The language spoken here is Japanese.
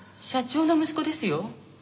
社長の息子ですよ？